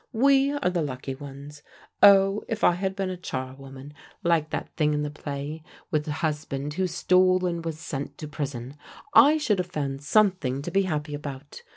We are the lucky ones. Oh, if I had been a charwoman, like that thing in the play, with a husband who stole and was sent to prison, I should have found something to be happy about.